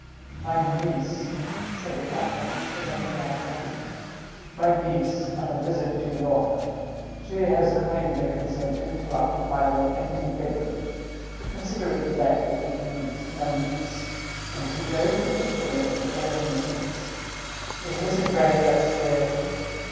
"My niece," said the captain, presenting Magdalen; "my niece on a visit to York. She has kindly consented to occupy your empty bedroom. Consider it let, if you please, to my niece—and be very particular in airing the sheets? Is Mrs. Wragge upstairs?